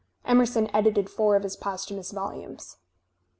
Emerson edited four of his posthu mous volumes.